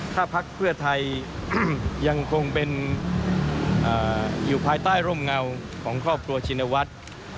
ถ้าพักเพื่อไทยยังคงเป็นอยู่ภายใต้ร่มเงาของครอบครัวชินวัฒน์